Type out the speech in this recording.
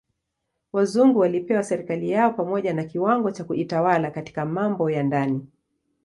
Wazungu walipewa serikali yao pamoja na kiwango cha kujitawala katika mambo ya ndani.